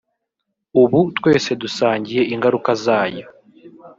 ubu twese dusangiye ingaruka zayo